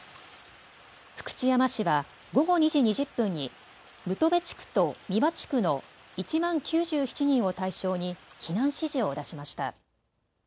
福知山市は午後２時２０分に六人部地区と三和地区の１万９７人を対象に避難指示を出しました。